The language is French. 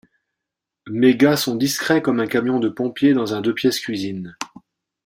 Mes gars sont discrets comme un camion de pompiers dans un deux-pièces cuisine.